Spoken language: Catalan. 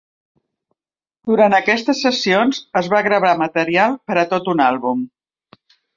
Durant aquestes sessions es va gravar material per a tot un àlbum.